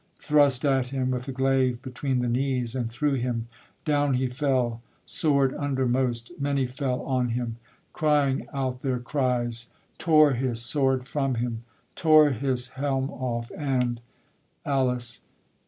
Thrust at him with a glaive between the knees, And threw him; down he fell, sword undermost; Many fell on him, crying out their cries, Tore his sword from him, tore his helm off, and: ALICE.